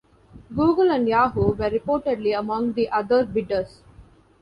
Google and Yahoo were reportedly among the other bidders.